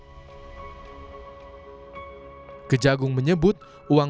kejagung menyebut uang puluhan miliar rupiah adalah sebuah uang yang diperlukan untuk menjaga kejaksaan agung